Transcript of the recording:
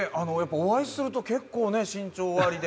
お会いすると結構身長おありで。